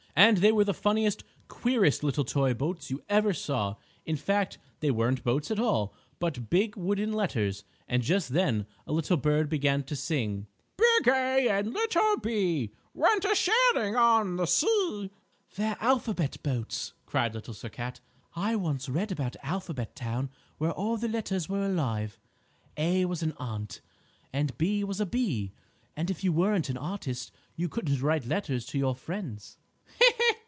And they were the funniest, queerest little toy boats you ever saw. In fact, they weren't boats at all, but big wooden letters. And just then a little bird began to sing: "Big 'A' and little 'B' Went a sailing on the 'C.'" "They're Alphabet Boats," cried Little Sir Cat. "I once read about Alphabet Town where all the letters were alive, 'A' was an Ant, and 'B' was a Bee, and if you weren't an artist you couldn't write letters to your friends." "He, he!"